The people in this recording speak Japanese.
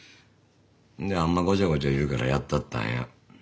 であんまごちゃごちゃ言うからやったったんや。